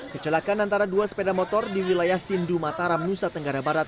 kecelakaan antara dua sepeda motor di wilayah sindu mataram nusa tenggara barat